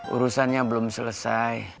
urusannya belum selesai